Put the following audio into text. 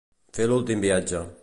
Fer l'últim viatge.